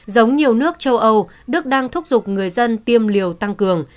giống nhiều nước châu âu đức đang thúc giục người dân tiêm liều tăng cường